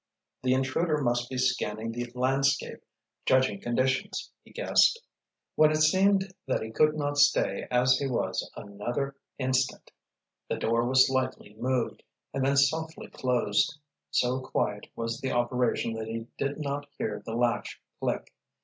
The intruder must be scanning the landscape, judging conditions, he guessed. When it seemed that he could not stay as he was another instant, the door was slightly moved, and then softly closed. So quiet was the operation that he did not hear the latch click.